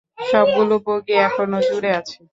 সবগুলো বগি এখনও জুরে আছে।